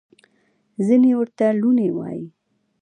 ځینې ورته لوني وايي.